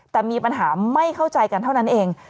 แต่มีปัญหาไม่เข้าใจกันเท่านั้นเอง